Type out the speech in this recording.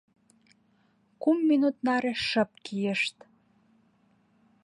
Кум минут наре шып кийышт.